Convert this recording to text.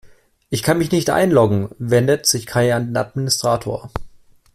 Ich kann mich nicht einloggen, wendet sich Kai an den Administrator.